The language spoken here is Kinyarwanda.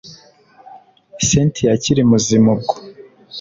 cyntia akiri muzima ubwo